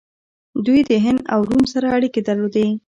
دوی د هند او روم سره اړیکې درلودې